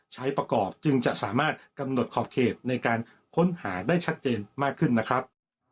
ใช้ประกอบจึงจะสามารถกำหนดขอบเขตในการค้นหาได้ชัดเจนมากขึ้นนะครับ